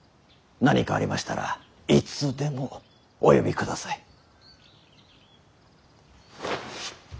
何かありましたらいつでもお呼びください。